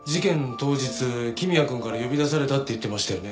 当日公也くんから呼び出されたって言ってましたよね？